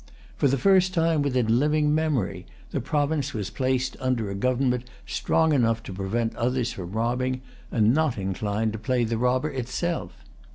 For the first time within living memory, the province was placed under a government strong enough to prevent others from robbing, and not inclined to play the robber itself.